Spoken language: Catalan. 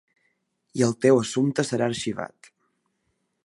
I el teu assumpte serà arxivat.